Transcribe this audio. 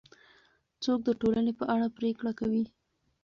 څوک د ټولنې په اړه پرېکړه کوي؟